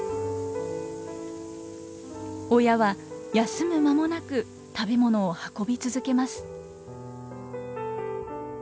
親は休む間もなく食べ物を運び続けます。